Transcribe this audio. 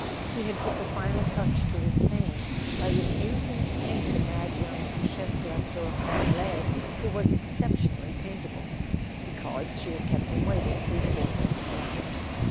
He had put the final touch to his fame by refusing to paint the mad young Duchesse de la Tour Crenelee—who was exceptionally paintable —because she had kept him waiting three quarters of an hour.